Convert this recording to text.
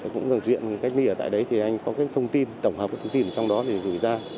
cũng dựng diện cách ly ở tại đấy thì anh có thông tin tổng hợp thông tin trong đó thì gửi ra